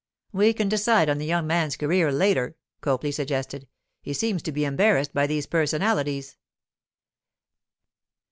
'We can decide on the young man's career later,' Copley suggested. 'He seems to be embarrassed by these personalities.